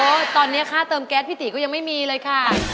ตอนนี้ค่าเติมแก๊สพี่ตีก็ยังไม่มีเลยค่ะ